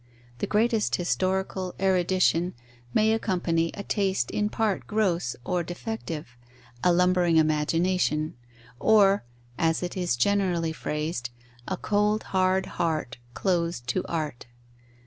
The greatest historical erudition may accompany a taste in part gross or defective, a lumbering imagination, or, as it is generally phrased, a cold, hard heart, closed to art.